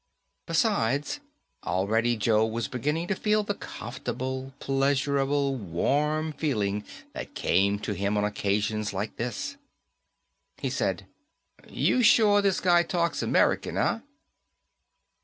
Besides, already Joe was beginning to feel the comfortable, pleasurable, warm feeling that came to him on occasions like this. He said, "You're sure this guy talks American, eh?"